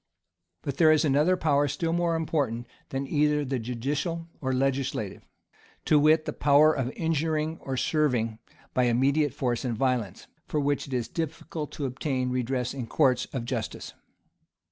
But there is another power still more important than either the judicial or legislative; to wit, the power of injuring or serving by immediate force and violence, for which it is difficult to obtain redress in courts of justice.